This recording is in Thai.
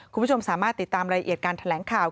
คุณผู้ชมสามารถติดตามรายละเอียดการแถลงข่าว